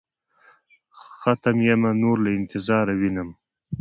ختم يمه نور له انتظاره وينم.